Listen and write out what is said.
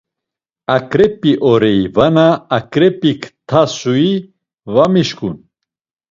Aǩrep̌i orei vana aǩrep̌ik ktasui va mişǩun!